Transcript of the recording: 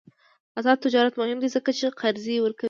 آزاد تجارت مهم دی ځکه چې قرضې ورکوي.